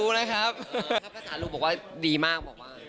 ถ้าภาษารู้บอกว่าดีมาก